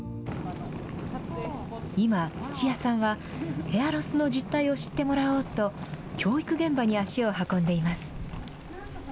今、土屋さんはヘアロスの実態を知ってもらおうと、教育現場に足を運んでいます。